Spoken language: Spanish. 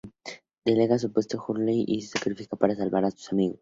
Delega su puesto a Hurley y se sacrifica para salvar a sus amigos.